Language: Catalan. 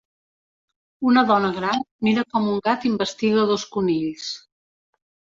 Una dona gran mira com un gat investiga dos conills.